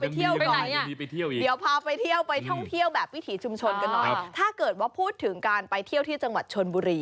เดี๋ยวพาไปเที่ยวไปท่องเที่ยวแบบวิถีชุมชนกันหน่อยถ้าเกิดว่าพูดถึงการไปเที่ยวที่จังหวัดชนบุรี